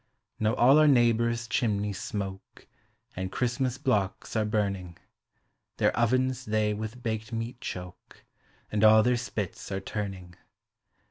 Now all our neighbors' chimneys smoke, And Christmas blocks are burning; Their ovens they wilh baked meat choke. And all their spits are turning.